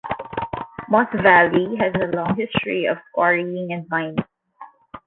Moss Valley has a long history of quarrying and mining.